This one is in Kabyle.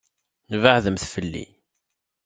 Beɛɛdemt fell-i!